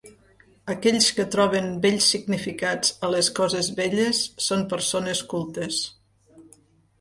Aquells que troben bells significats a les coses belles són persones cultes.